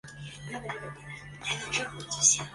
因为紧张的肌肉就像淤塞的水管阻碍水的流通。